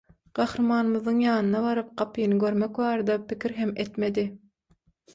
Gahrymanymyzyň ýanyna baryp gapyny görmek barada pikir hem etmedi.